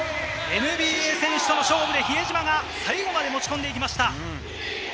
ＮＢＡ選手との勝負で比江島が最後まで持ち込んでいきました。